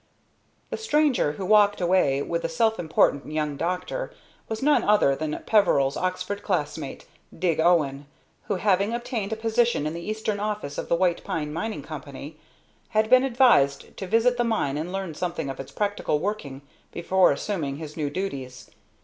The stranger, who walked away with the self important young doctor, was none other than Peveril's Oxford classmate "Dig" Owen who, having obtained a position in the Eastern office of the White Pine Mining Company, had been advised to visit the mine and learn something of its practical working before assuming his new duties.